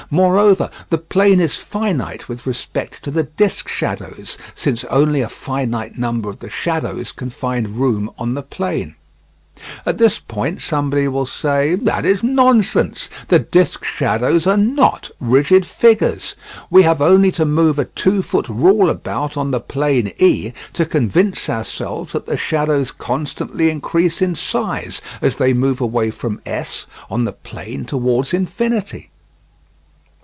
Moreover, the plane is finite with respect to the disc shadows, since only a finite number of the shadows can find room on the plane. At this point somebody will say, "That is nonsense. The disc shadows are not rigid figures. We have only to move a two foot rule about on the plane E to convince ourselves that the shadows constantly increase in size as they move away from S on the plane towards infinity."